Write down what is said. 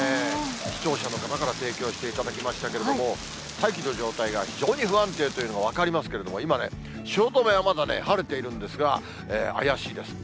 視聴者の方から提供していただきましたけれども、大気の状態が非常に不安定というのが分かりますけれども、今ね、汐留はまだね、晴れているんですが、怪しいです。